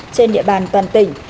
trên địa bàn toàn tỉnh